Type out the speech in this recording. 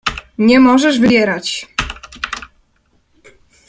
"Nie możesz wybierać."